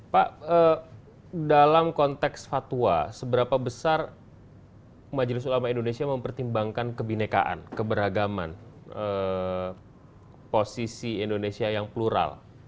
pak dalam konteks fatwa seberapa besar majelis ulama indonesia mempertimbangkan kebinekaan keberagaman posisi indonesia yang plural